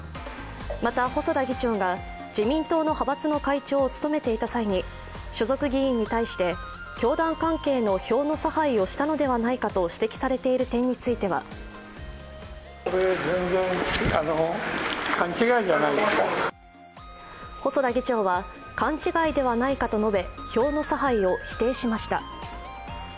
また、細田議長が自民党の派閥の会長を務めていた際に所属議員に対して教団関係の票の差配をしたのではないかと指摘されている点については細田議長は、勘違いではないかと述べ票の差配を否定しました。